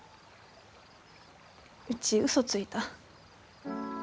うちウソついた。